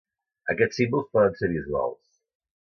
Aquests símbols poden ser visuals